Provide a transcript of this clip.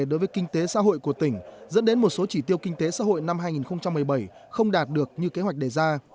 đối với kinh tế xã hội của tỉnh dẫn đến một số chỉ tiêu kinh tế xã hội năm hai nghìn một mươi bảy không đạt được như kế hoạch đề ra